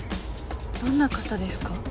どんな方ですか？